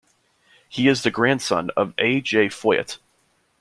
He is the grandson of A. J. Foyt.